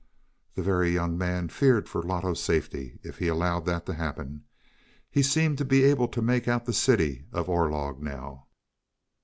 The Very Young Man feared for Loto's safety if he allowed that to happen. He seemed to be able to make out the city of Orlog now.